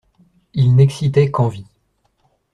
Ils n'excitaient qu'envie.